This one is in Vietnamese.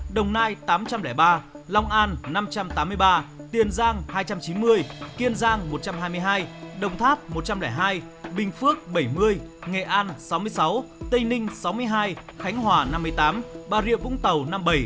đồng nai tám trăm linh ba long an năm trăm tám mươi ba tiền giang hai trăm chín mươi kiên giang một trăm hai mươi hai đồng tháp một trăm linh hai bình phước bảy mươi nghệ an sáu mươi sáu tây ninh sáu mươi hai khánh hòa năm mươi tám bà rịa vũng tàu năm mươi bảy